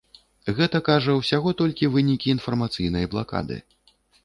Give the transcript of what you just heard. Гэта, кажа, ўсяго толькі вынікі інфармацыйнай блакады.